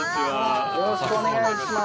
よろしくお願いします。